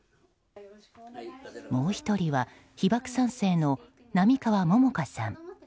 もう１人は被爆３世の並川桃夏さん。